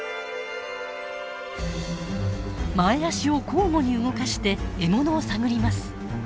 前足を交互に動かして獲物を探ります。